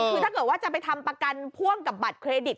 คือถ้าเกิดว่าจะไปทำประกันพ่วงกับบัตรเครดิต